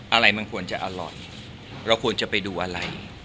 อะไรมันควรจะอร่อยเราควรจะไปดูอะไร